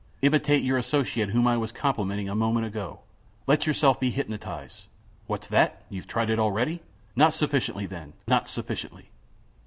Imitate your associate whom I was complimenting a moment ago. Let yourself be hypnotized. What's that? You have tried it already? Not sufficiently, then, not sufficiently!"